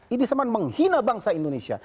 ini semua menghina bangsa indonesia